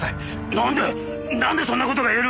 なんでなんでそんな事が言える！